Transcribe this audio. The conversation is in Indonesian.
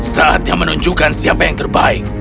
saatnya menunjukkan siapa yang terbaik